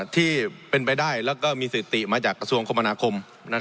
ที่เป็นไปได้แล้วก็มีสิติมาจากกระทรวงคมนาคม